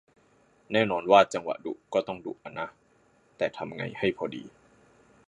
แน่นอนว่าจังหวะดุก็ต้องดุอะนะ แต่ทำไงให้พอดี